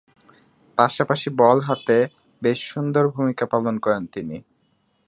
পাশাপাশি বল হাতে বেশ সুন্দর ভূমিকা পালন করেন তিনি।